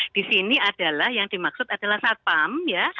di sini adalah yang dimaksud adalah satam